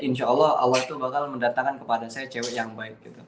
insyaallah allah itu bakal mendatangkan kepada saya cewek yang baik